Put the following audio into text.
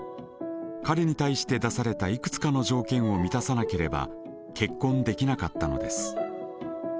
彼に対して出されたいくつかの条件を満たさなければ結婚できなかったのです。